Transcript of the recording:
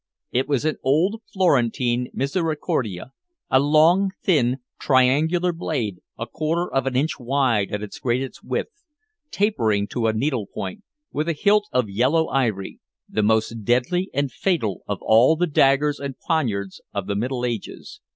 It was an old Florentine misericordia, a long thin, triangular blade, a quarter of an inch wide at its greatest width, tapering to a needle point, with a hilt of yellow ivory, the most deadly and fatal of all the daggers and poignards of the Middle Ages.